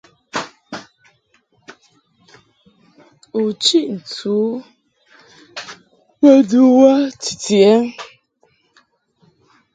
U chiʼ ntɨ u bə ndu wə titi ɛ?